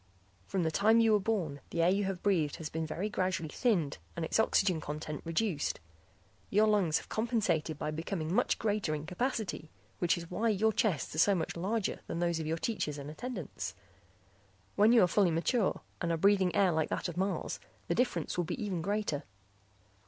"From the time you were born the air you have breathed has been very gradually thinned and its oxygen content reduced. Your lungs have compensated by becoming much greater in capacity, which is why your chests are so much larger than those of your teachers and attendants; when you are fully mature and are breathing air like that of Mars, the difference will be even greater.